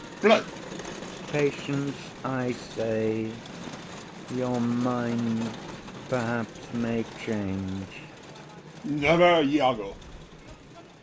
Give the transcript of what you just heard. IAGO. Patience, I say. Your mind perhaps may change. OTHELLO. Never, Iago.